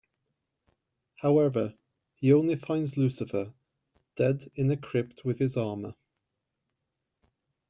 However, he only finds Lucifer, dead in a crypt with his armor.